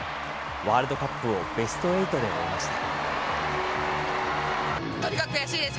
ワールドカップをベストエイトで終えました。